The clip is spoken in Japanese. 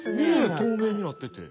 透明になってて。